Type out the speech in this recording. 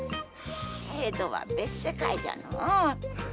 江戸は別世界じゃのう。